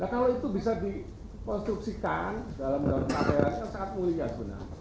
nah kalau itu bisa diponstruksikan dalam dalam tabungan yang sangat mulia sebenarnya